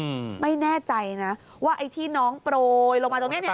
อืมไม่แน่ใจนะว่าไอ้ที่น้องโปรยลงมาตรงเนี้ยเนี้ย